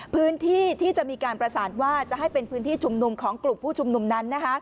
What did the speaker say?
พื้นที่ที่จะมีการประสานว่าจะให้เป็นพื้นที่ชุมนุมของกลุ่มผู้ชุมนุมนั้น